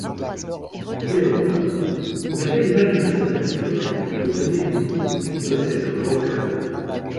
Néanmoins, malgré l'image d'une personne impitoyable qu'il veut donner, il possède un grand cœur.